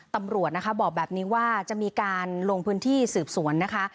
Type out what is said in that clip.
ตำรวจนะคะบอกแบบนี้ว่าจะมีการลงพื้นที่สืบสวนนะคะ